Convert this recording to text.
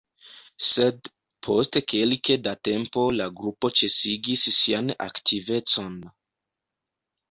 Sed, post kelke da tempo la grupo ĉesigis sian aktivecon.